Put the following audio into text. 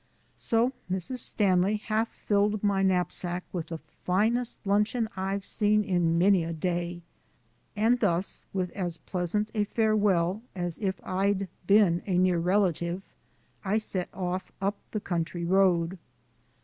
So Mrs. Stanley half filled my knapsack with the finest luncheon I've seen in many a day, and thus, with as pleasant a farewell as if I'd been a near relative, I set off up the country road.